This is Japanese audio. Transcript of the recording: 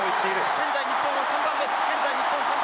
現在、日本は３番目。